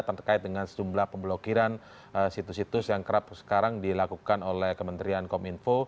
terkait dengan sejumlah pemblokiran situs situs yang kerap sekarang dilakukan oleh kementerian kominfo